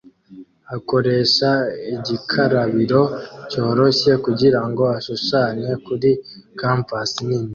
akoresha igikarabiro cyoroshye kugirango ashushanye kuri canvas nini